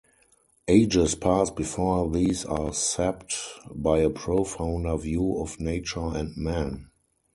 Ages pass before these are sapped by a profounder view of nature and man.